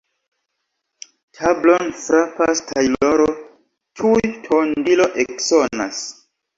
Tablon frapas tajloro, tuj tondilo eksonas.